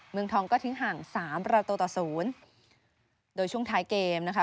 เมืองทองก็ทิ้งห่างสามประตูต่อศูนย์โดยช่วงท้ายเกมนะคะ